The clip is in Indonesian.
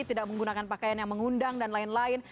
tidak menggunakan pakaian yang mengundang dan lain lain